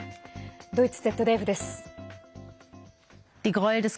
ドイツＺＤＦです。